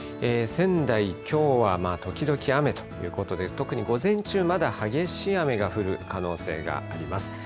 仙台、きょうは時々雨ということで特に午前中まだ非常に激しい雨が降るおそれがあります。